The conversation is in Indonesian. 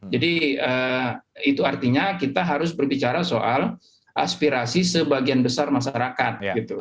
jadi itu artinya kita harus berbicara soal aspirasi sebagian besar masyarakat